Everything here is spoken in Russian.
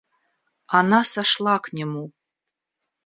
Она сошла к нему.